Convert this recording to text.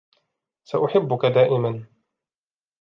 سأحبك دائمًا.